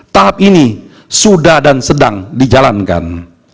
tahap ini sudah dan sedang dijalankan